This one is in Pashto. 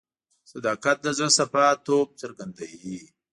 صداقت د زړه صفا توب څرګندوي.